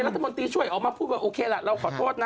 รัฐมนตรีช่วยออกมาพูดว่าโอเคล่ะเราขอโทษนะ